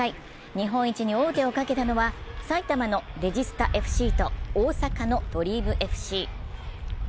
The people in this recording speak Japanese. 日本一に王手をかけたのは、埼玉のレジスタＦＣと大阪のＤＲＥＡＭＦＣ。